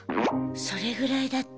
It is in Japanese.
それぐらいだった？